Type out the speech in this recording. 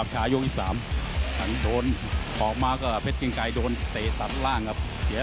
ชนะเพชรหมดโยค